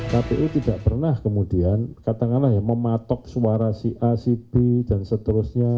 kpu tidak pernah kemudian katakanlah ya mematok suara si a si b dan seterusnya